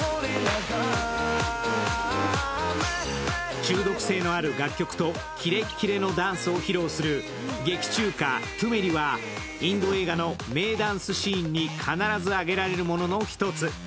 中毒性のある楽曲とキレッキレのダンスを披露する劇中歌「ＴｕＭｅｒｉ」はインド映画の名シーンに必ず挙げられるものの一つ。